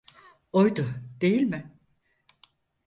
Oydu, değil mi?